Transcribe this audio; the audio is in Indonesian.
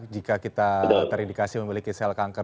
jika kita terindikasi memiliki sel kanker